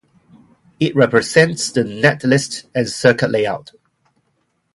It represents the netlist and circuit layout.